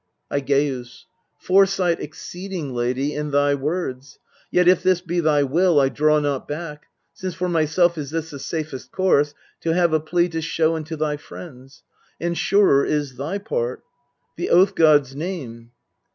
Aigeus. Foresight exceeding, lady, in thy words! 3 Yet, if this be thy will, I draw not back ; Since for myself is this the safest course, To have a plea to show unto thy foes ; And surer is thy part. The Oath gods name.